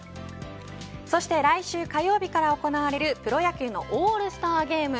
そして来週火曜日から行われるプロ野球のオールスターゲーム。